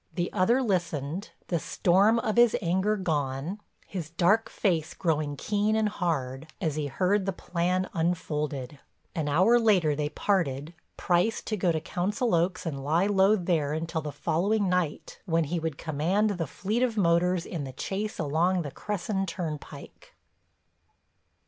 The other listened, the storm of his anger gone, his dark face growing keen and hard as he heard the plan unfolded. An hour later they parted, Price to go to Council Oaks and lie low there until the following night when he would command the fleet of motors in the chase along the Cresson Turnpike.